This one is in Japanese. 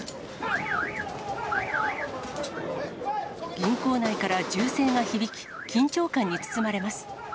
銀行内から銃声が響き、緊張感に包まれます。